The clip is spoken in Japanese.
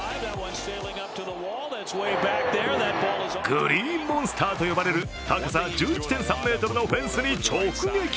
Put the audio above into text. グリーンモンスターと呼ばれる高さ１１．３ｍのフェンスに直撃。